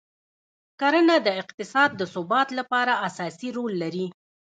کرنه د اقتصاد د ثبات لپاره اساسي رول لري.